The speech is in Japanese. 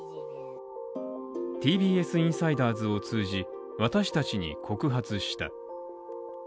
ＴＢＳインサイダーズを通じ私たちに告発した。